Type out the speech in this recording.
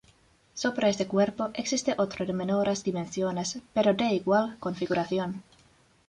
Sobre este cuerpo existe otro de menores dimensiones pero de igual configuración.